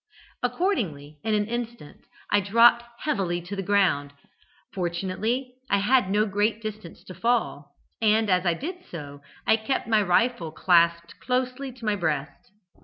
Accordingly, in an instant I dropped heavily to the ground. Fortunately I had no great distance to fall, and as I did so, I kept my rifle clasped closely to my breast.